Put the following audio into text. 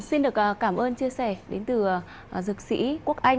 xin được cảm ơn chia sẻ đến từ dược sĩ quốc anh